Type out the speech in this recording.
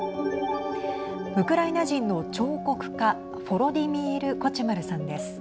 ウクライナ人の彫刻家フォロディミール・コチュマルさんです。